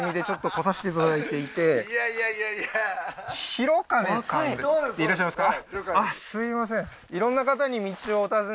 廣兼さんでいらっしゃいますか？